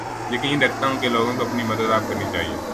یقین رکھتا ہوں کے لوگوں کو اپنی مدد آپ کرنی چاھیے